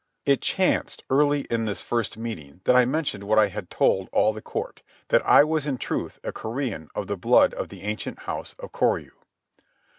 It chanced, early in this first meeting, that I mentioned what I had told all the Court, that I was in truth a Korean of the blood of the ancient house of Koryu.